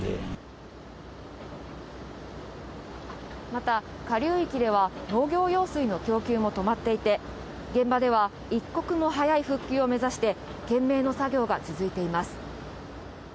また下流域では農業用水の供給も止まっていて現場では一刻も早い復旧を目指して懸命の作業が続いています